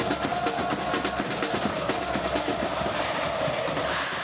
tidak ada yang bisa dihukum